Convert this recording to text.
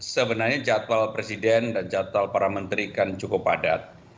sebenarnya jadwal presiden dan jadwal para menteri kan cukup padat